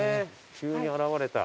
急に現れた。